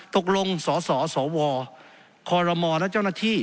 ตกลงสสสวคอรมและเจ้าหน้าที่